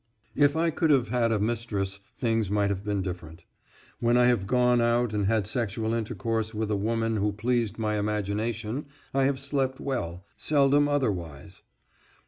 If I could have had a mistress things might have been different. When I have gone out and had sexual intercourse with a woman who pleased my imagination I have slept well seldom otherwise.